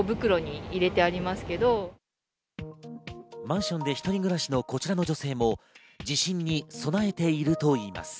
マンションで一人暮らしのこちらの女性も地震に備えているといいます。